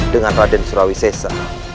dengan raden sulawisensa